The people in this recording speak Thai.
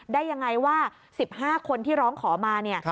ได้ยังไงว่า๑๕คนที่ร้องขอมาเนี่ย